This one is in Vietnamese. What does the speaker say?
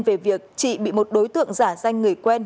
về việc chị bị một đối tượng giả danh người quen